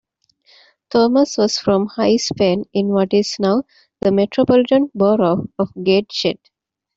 Thomas was from High Spen in what is now the Metropolitan Borough of Gateshead.